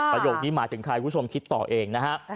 ประโยคนี้หมายถึงใครคุณผู้ชมคิดต่อเองนะฮะ